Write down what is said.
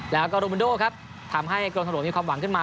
แล้วก็โรมันโดครับทำให้กรมทางหลวงมีความหวังขึ้นมา